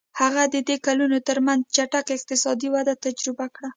هغه د دې کلونو ترمنځ یې چټکه اقتصادي وده تجربه کړه.